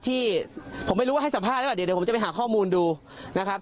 ที่ผมไม่รู้ว่าให้สัมภาษณ์หรือเปล่าเดี๋ยวผมจะไปหาข้อมูลดูนะครับ